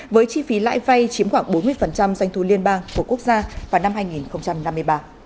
với chi phí lãi vay chiếm khoảng bốn mươi doanh thu liên bang của quốc gia vào năm hai nghìn năm mươi ba